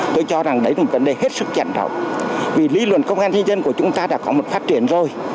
tôi cho rằng đấy là một vấn đề hết sức chẳng trọng vì lý luận công an di dân của chúng ta đã có một phát triển rồi